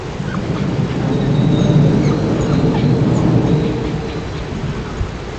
அது முடிந்தால் இரண்டு ஆயிரத்து நாநூறு பேர் ஒரே நேரத்தில் தங்கலாம்.